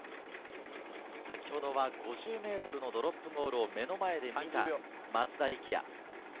先ほどは５０ｍのドロップゴールを目の前で見た松田力也。